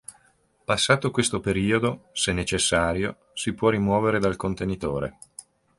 Passato questo periodo, se necessario, si può rimuovere dal contenitore.